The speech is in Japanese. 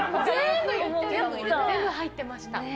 全部入ってました。